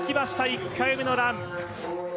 １回目のラン。